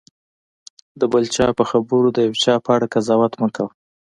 د بل چا په خبرو د یو چا په اړه قضاوت مه کوه.